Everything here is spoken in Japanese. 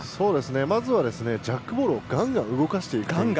まずは、ジャックボールをがんがん動かしていくこと。